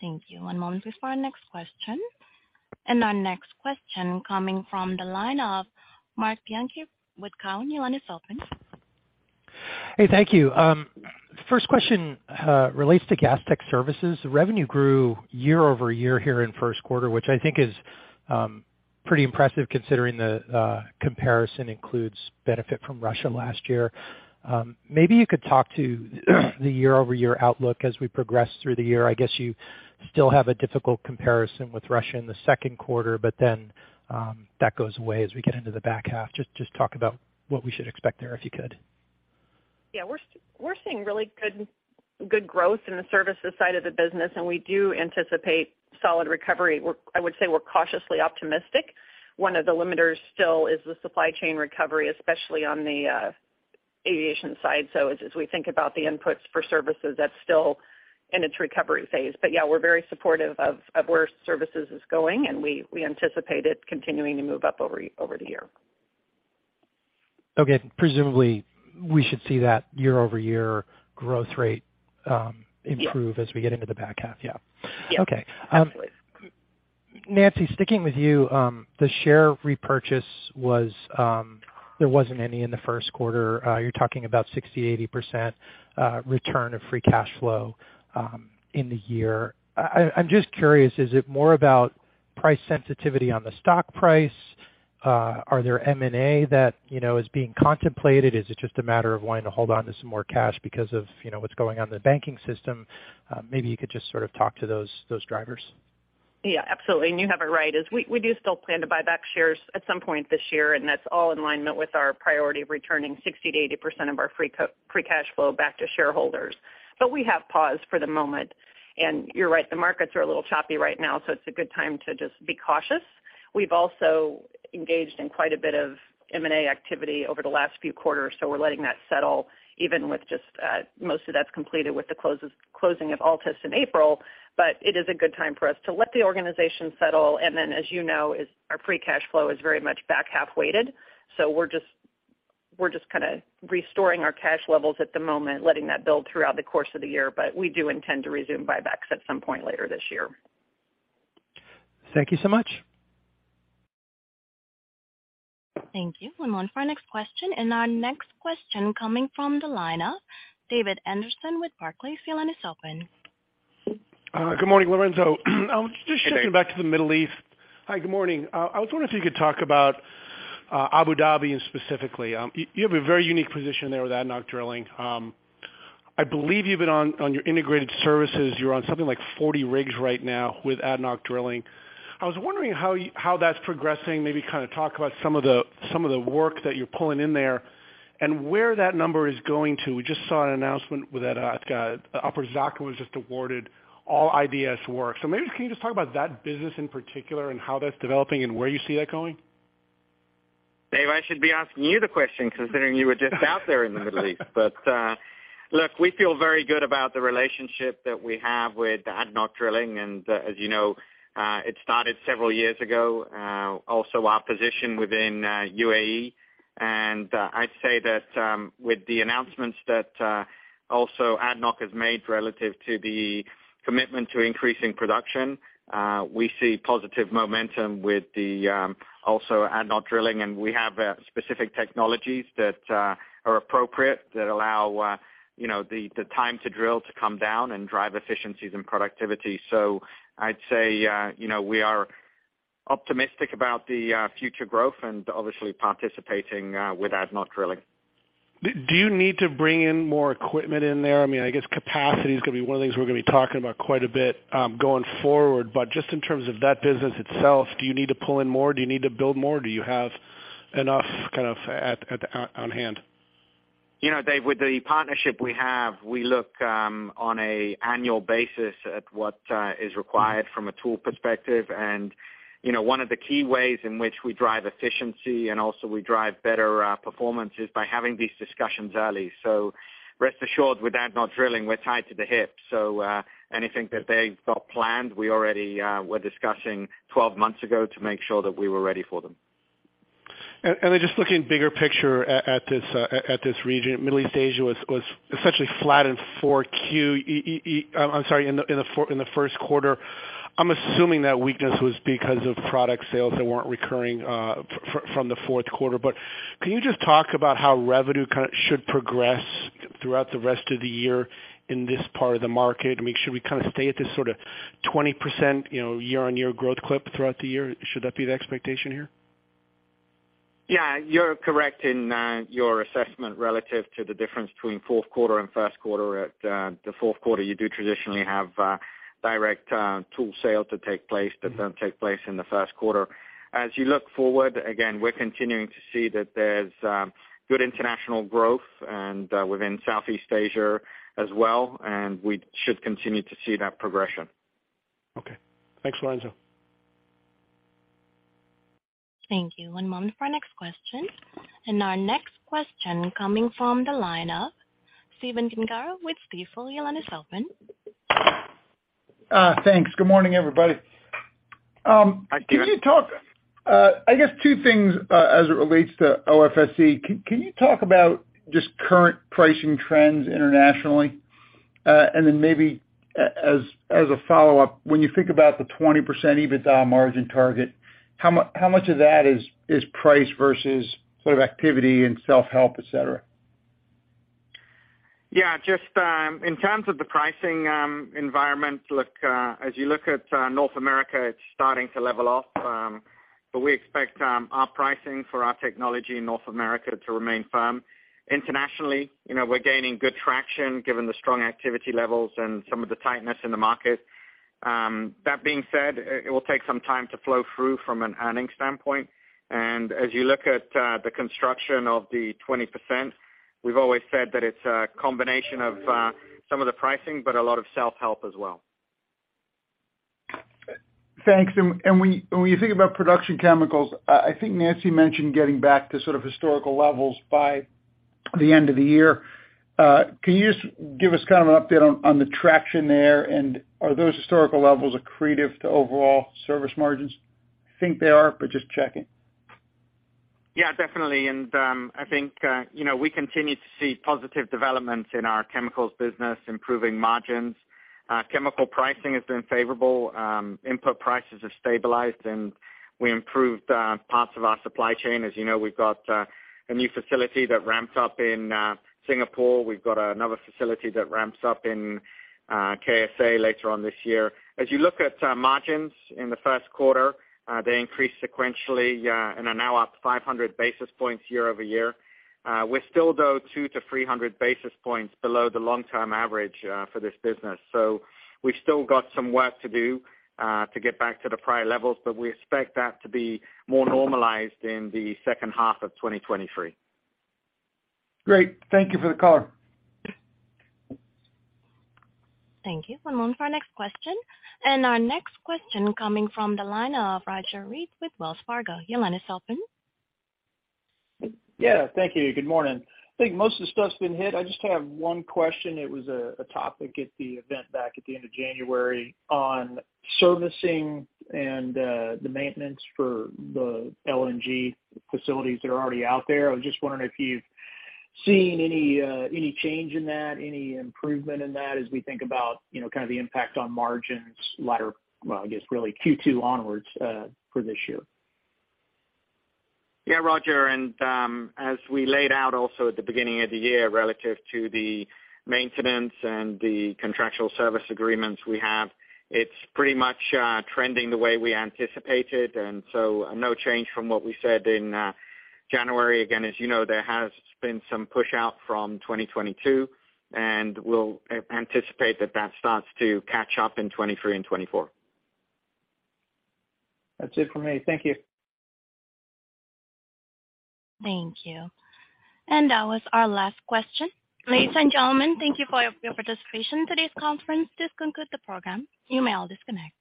Speaker 1: Thank you. One moment please for our next question. Our next question coming from the line of Marc Bianchi with Cowen. Your line is open.
Speaker 10: Hey, thank you. First question relates to Gas Tech Services. Revenue grew year-over-year here in first quarter, which I think is pretty impressive considering the comparison includes benefit from Russia last year. Maybe you could talk to the year-over-year outlook as we progress through the year. I guess you still have a difficult comparison with Russia in the second quarter, that goes away as we get into the back half. Just talk about what we should expect there, if you could.
Speaker 4: We're seeing really good growth in the services side of the business, and we do anticipate solid recovery. I would say we're cautiously optimistic. One of the limiters still is the supply chain recovery, especially on the aviation side. As we think about the inputs for services, that's still in its recovery phase. Yeah, we're very supportive of where services is going, and we anticipate it continuing to move up over the year.
Speaker 10: Okay. Presumably we should see that year-over-year growth rate.
Speaker 4: Yeah
Speaker 10: improve as we get into the back half. Yeah.
Speaker 4: Yeah.
Speaker 10: Okay. Nancy, sticking with you, the share repurchase was, there wasn't any in the first quarter. You're talking about 60%-80% return of free cash flow in the year. I'm just curious, is it more about price sensitivity on the stock price? Are there M&A that, you know, is being contemplated? Is it just a matter of wanting to hold on to some more cash because of, you know, what's going on in the banking system? Maybe you could just sort of talk to those drivers.
Speaker 4: Absolutely. You have it right, we do still plan to buy back shares at some point this year, and that's all in alignment with our priority of returning 60% to 80% of our free cash flow back to shareholders. We have paused for the moment, you're right, the markets are a little choppy right now, it's a good time to just be cautious. We've also engaged in quite a bit of M&A activity over the last few quarters, we're letting that settle even with just most of that's completed with the closing of Altus in April. It is a good time for us to let the organization settle, as you know, our free cash flow is very much back half weighted. We're just kinda restoring our cash levels at the moment, letting that build throughout the course of the year. We do intend to resume buybacks at some point later this year.
Speaker 10: Thank you so much.
Speaker 1: Thank you. One moment for our next question. Our next question coming from the line of David Anderson with Barclays. Your line is open.
Speaker 11: Good morning, Lorenzo.
Speaker 3: Hey, Dave.
Speaker 11: I was just shifting back to the Middle East. Hi, good morning. I was wondering if you could talk about Abu Dhabi and specifically. You have a very unique position there with ADNOC Drilling. I believe you've been on your integrated services. You're on something like 40 rigs right now with ADNOC Drilling. I was wondering how that's progressing. Maybe kind of talk about some of the work that you're pulling in there and where that number is going to. We just saw an announcement with that. Upper Zakum was just awarded all IDS work. Maybe can you just talk about that business in particular and how that's developing and where you see that going?
Speaker 3: Dave, I should be asking you the question considering you were just out there in the Middle East. Look, we feel very good about the relationship that we have with ADNOC Drilling. As you know, it started several years ago, also our position within UAE. I'd say that with the announcements that also ADNOC has made relative to the commitment to increasing production, we see positive momentum with also ADNOC Drilling, and we have specific technologies that are appropriate that allow, you know, the time to drill to come down and drive efficiencies and productivity. I'd say, you know, we are optimistic about the future growth and obviously participating with ADNOC Drilling.
Speaker 11: Do you need to bring in more equipment in there? I mean, I guess capacity is gonna be one of the things we're gonna be talking about quite a bit, going forward, but just in terms of that business itself, do you need to pull in more? Do you need to build more? Do you have enough kind of on hand?
Speaker 3: You know, Dave, with the partnership we have, we look on an annual basis at what is required from a tool perspective. You know, one of the key ways in which we drive efficiency and also we drive better performance is by having these discussions early. Rest assured, with ADNOC Drilling we're tied to the hip. Anything that they've got planned, we already were discussing 12 months ago to make sure that we were ready for them.
Speaker 11: Just looking bigger picture at this region, Middle East Asia was essentially flat in four Q. I'm sorry, in the first quarter. I'm assuming that weakness was because of product sales that weren't recurring from the fourth quarter. Can you just talk about how revenue kind of should progress throughout the rest of the year in this part of the market? I mean, should we kind of stay at this sort of 20%, you know, year-on-year growth clip throughout the year? Should that be the expectation here?
Speaker 3: Yeah. You're correct in your assessment relative to the difference between fourth quarter and first quarter. At the fourth quarter, you do traditionally have direct tool sale to take place that don't take place in the first quarter. As you look forward, again, we're continuing to see that there's good international growth and within Southeast Asia as well, and we should continue to see that progression.
Speaker 11: Okay. Thanks, Lorenzo.
Speaker 1: Thank you. One moment for our next question. Our next question coming from the line of Stephen Gengaro with Stifel Nicolaus.
Speaker 12: Thanks. Good morning, everybody.
Speaker 3: Hi, Stephen.
Speaker 12: Can you talk, I guess two things, as it relates to OFSE? Can you talk about just current pricing trends internationally? Maybe as a follow-up, when you think about the 20% EBITDA margin target, how much of that is price versus sort of activity and self-help, et cetera?
Speaker 3: Yeah. Just in terms of the pricing environment, look, as you look at North America, it's starting to level off. But we expect our pricing for our technology in North America to remain firm. Internationally, you know, we're gaining good traction given the strong activity levels and some of the tightness in the market. That being said, it will take some time to flow through from an earnings standpoint. As you look at, the construction of the 20%, we've always said that it's a combination of some of the pricing, but a lot of self-help as well.
Speaker 12: Thanks. When you think about production chemicals, I think Nancy mentioned getting back to sort of historical levels by the end of the year. Can you just give us kind of an update on the traction there? Are those historical levels accretive to overall service margins? I think they are, but just checking.
Speaker 3: Yeah, definitely. I think, you know, we continue to see positive developments in our Chemicals business, improving margins. Chemical pricing has been favorable. Input prices have stabilized, and we improved parts of our supply chain. As you know, we've got a new facility that ramps up in Singapore. We've got another facility that ramps up in KSA later on this year. As you look at margins in the first quarter, they increased sequentially, and are now up 500 basis points year-over-year. We're still, though, 200-300 basis points below the long-term average for this business. We've still got some work to do to get back to the prior levels, but we expect that to be more normalized in the second half of 2023.
Speaker 12: Great. Thank you for the color.
Speaker 1: Thank you. One moment for our next question. Our next question coming from the line of Roger Read with Wells Fargo. Your line is open.
Speaker 13: Yeah. Thank you. Good morning. I think most of the stuff's been hit. I just have one question. It was a topic at the event back at the end of January on servicing and the maintenance for the LNG facilities that are already out there. I was just wondering if you've seen any change in that, any improvement in that as we think about, you know, kind of the impact on margins. Well, I guess really Q2 onwards for this year.
Speaker 3: Yeah, Roger. As we laid out also at the beginning of the year, relative to the maintenance and the contractual service agreements we have, it's pretty much trending the way we anticipated, so no change from what we said in January. As you know, there has been some pushout from 2022, and we'll anticipate that that starts to catch up in 2023 and 2024.
Speaker 13: That's it for me. Thank you.
Speaker 1: Thank you. That was our last question. Ladies and gentlemen, thank you for your participation in today's conference. This concludes the program. You may all disconnect.